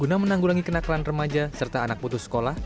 guna menanggulangi kenakalan remaja serta anak putus sekolah